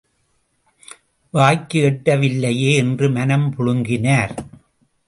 வாய்க்கு எட்டவில்லையே என்று மனம் புழுங்கினார்.